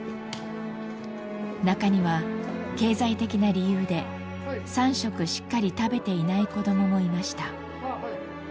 中には経済的な理由で３食しっかり食べていない子供もいました。